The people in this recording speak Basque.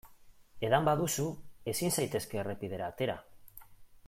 Edan baduzu ezin zaitezke errepidera atera.